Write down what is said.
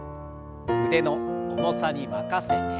腕の重さに任せて。